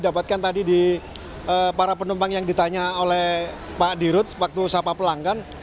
dapatkan tadi di para penumpang yang ditanya oleh pak dirut waktu sapa pelanggan